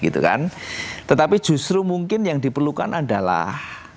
tetapi justru mungkin yang diperlukan adalah